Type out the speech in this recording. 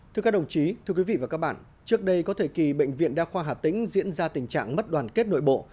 thưa các đồng chí thưa quý vị và các bạn trước đây có thời kỳ bệnh viện đa khoa hà tĩnh diễn ra tình trạng mất đoàn kết nội bộ